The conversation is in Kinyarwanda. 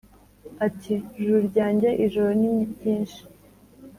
ati « juru ryanjye ijoro ni ryinshi »